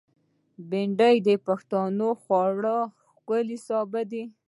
بېنډۍ د پښتنو خوړو ښکلی سابه دی